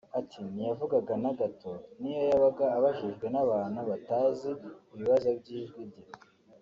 Ati "Ntiyavugaga na gato n’iyo yabaga abajijwe n’abantu batazi ibibazo by’ijwi rye